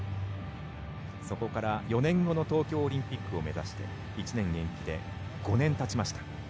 そこから４年後の東京オリンピックを目指して１年延期で５年たちました。